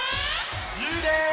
ゆうです！